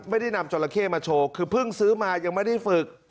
ไม่ได้นำจราเข้มาโชว์คือเพิ่งซื้อมายังไม่ได้ฝึก